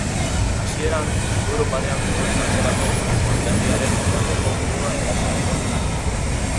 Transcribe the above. Hasieran, Duero parean zegoen Gaztelako konderriaren hegoaldeko muga eraso zuen.